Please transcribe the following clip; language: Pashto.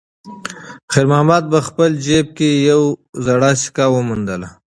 خیر محمد په خپل جېب کې یوه زړه سکه وموندله.